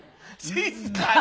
静かに！